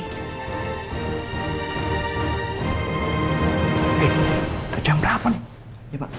hei udah jam berapa nih